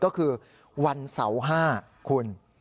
ก็คือวันเสาร์๕คุณ